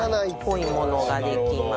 濃いものができます。